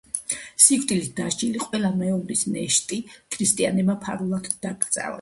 სიკვდილით დასჯილი ყველა მეომრის ნეშტი ქრისტიანებმა ფარულად დაკრძალეს.